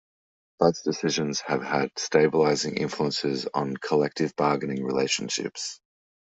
Both decisions have had stabilizing influences on collective bargaining relationships.